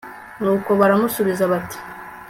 nuko baramusubiza bati